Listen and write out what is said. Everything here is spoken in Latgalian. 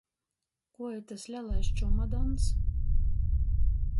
Kuo itys lelais čumadans?